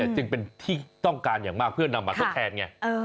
จึงเป็นที่ต้องการอย่างมากเพื่อนำมาทดแทนไง